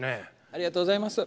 ありがとうございます。